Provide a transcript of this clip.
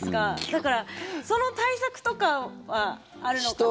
だからその対策とかはあるのかなとか。